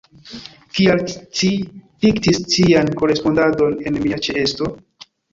Kial ci diktis cian korespondadon en mia ĉeesto?